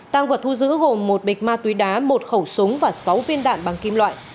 tăng vật thu giữ gồm một bịch ma túy đá một khẩu súng và sáu viên đạn bằng kim loại